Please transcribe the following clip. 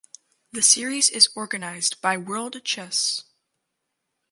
The Series is organized by World Chess.